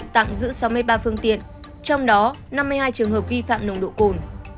tạm giữ sáu mươi ba phương tiện trong đó năm mươi hai trường hợp vi phạm nồng độ cồn